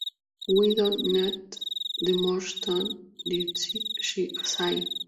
We don´t need no more that he said she said.